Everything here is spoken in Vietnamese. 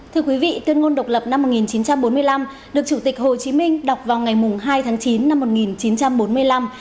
thưa quý vị tuyên ngôn độc lập năm một nghìn chín trăm bốn mươi năm được chủ tịch hồ chí minh đọc vào ngày hai tháng chín năm một nghìn chín trăm bốn mươi năm